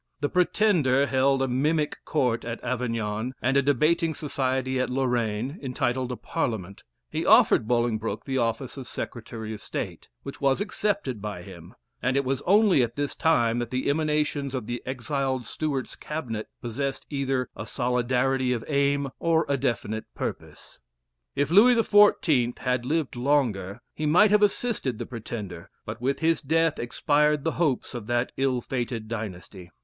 The Pretender held a mimic court at Avignon, and a debating society at Lorraine, entitled a Parliament. He offered Bolingbroke the office of Secretary of State, which was accepted by him; and it was only at this time that the emanations of the exiled Stuart's cabinet possessed either a solidity of aim, or a definite purpose. If Louis XIV. had lived longer, he might have assisted the Pretender, but with his death expired the hopes of that ill fated dynasty.